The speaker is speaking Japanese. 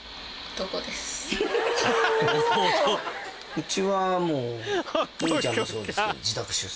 うちはもううみちゃんもそうですけど。